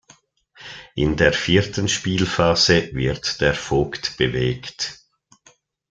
In der vierten Spielphase wird der Vogt bewegt.